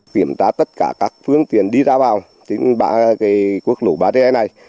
kiểm tra tất cả các phương tiện đi ra vào quốc lộ bán thế này này